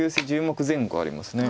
１０目前後あります。